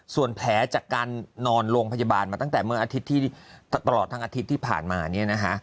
ส่วนแผลจากการนอนโรงพยาบาลมาตั้งแต่เมื่ออาทิตย์ที่ตลอดทั้งอาทิตย์ที่ผ่านมาเนี่ยนะคะ